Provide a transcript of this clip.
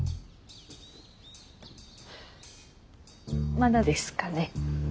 まだですかね。